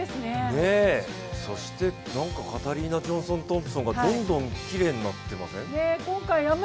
そしてカタリナ・ジョンソン・トンプソンがどんどんきれいになってません？